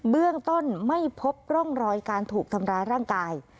เบื้องต้นไม่พบร่องรอยการถูกทำร้ายร่างกาย